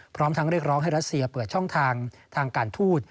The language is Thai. พร้อมทั้งเรียกร้องให้รัสเซียเปิดช่องทางทางการทูต